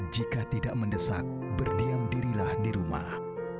jika tidak mendesak berdiam dirilah di rumah